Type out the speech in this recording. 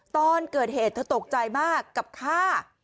ตอนเกิดเหตุเธอตกใจมากกับข้า